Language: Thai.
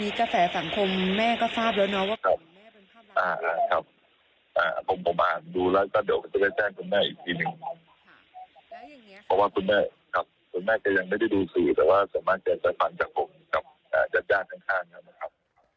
เพราะว่าคุณแม่ก็ยังไม่ได้ดูสื่อแต่ว่าส่วนมากจะจะผ่านจากผมกับจัดยานข้าง